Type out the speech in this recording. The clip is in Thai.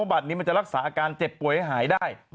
บัตรนี้มันจะรักษาอาการเจ็บป่วยให้หายได้